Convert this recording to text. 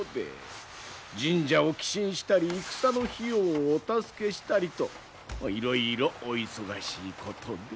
神社を寄進したり戦の費用をお助けしたりといろいろお忙しいことで。